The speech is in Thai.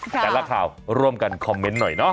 แต่ละข่าวร่วมกันคอมเมนต์หน่อยเนาะ